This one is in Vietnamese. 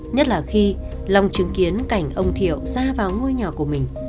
nhất là khi long chứng kiến cảnh ông thiệu ra vào ngôi nhà của mình